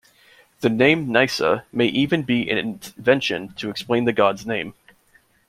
The name "Nysa" may even be an invention to explain the god's name.